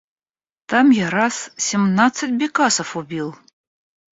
Там я раз семнадцать бекасов убил.